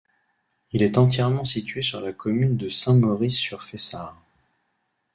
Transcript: Il est entièrement situé sur la commune de Saint-Maurice-sur-Fessard.